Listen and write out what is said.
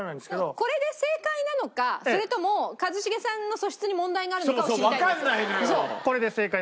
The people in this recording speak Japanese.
これで正解なのかそれとも一茂さんの素質に問題があるのかを知りたいんですよ。